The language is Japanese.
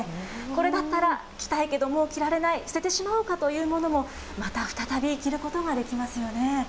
これだったら、着たいけども着られない、捨ててしまおうかというものも、また再び着ることができますよね。